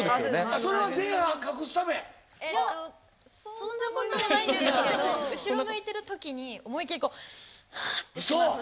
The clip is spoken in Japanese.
そんなこともないんですけど後ろ向いてる時に思い切りこう「は」ってします。